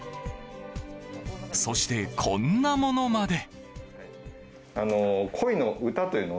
そして、こんなものまで。